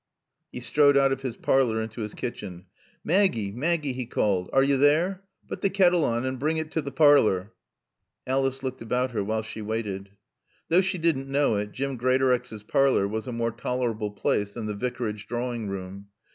He strode out of his parlor into his kitchen. "Maaggie! Maaggie!" he called. "Are yo' there? Putt kettle on and bring tae into t' parlor." Alice looked about her while she waited. Though she didn't know it, Jim Greatorex's parlor was a more tolerable place than the Vicarage drawing room.